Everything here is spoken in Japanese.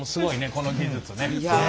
この技術ね。